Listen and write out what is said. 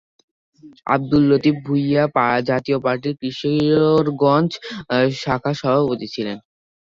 আব্দুল লতিফ ভূঁইয়া জাতীয় পার্টির কিশোরগঞ্জ শাখার সভাপতি ছিলেন।